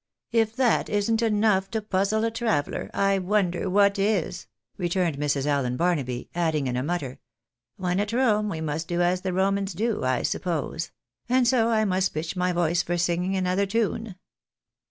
If that isn't enough to puzzle a traveller, I wonder what is ?" returned Mrs. Allen Bai'naby, adding in a mutter, " When at Rome we must do as the Romans do, I suppose, and so I must pitch my voice for singing another tune."